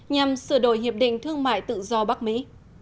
nhằm sửa đổi hiệp định thương mại tự do bắc mỹ